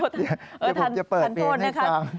ทานโทษนะคะ